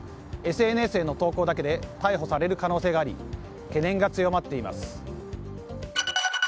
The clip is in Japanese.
ＳＮＳへの投稿だけで逮捕される可能性もあり懸念が強まっています。